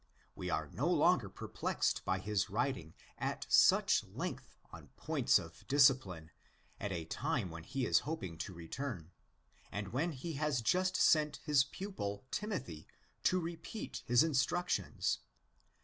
We are no longer perplexed by his writing at such length on points of discipline at a time when he is hoping to return, and when he has just sent his pupil Timothy to repeat his instructions.